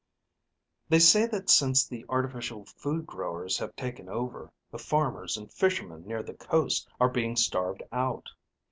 "They say that since the artificial food growers have taken over, the farmers and fishermen near the coast are being starved out.